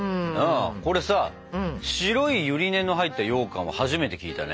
これさ白いゆり根の入ったようかんは初めて聞いたね。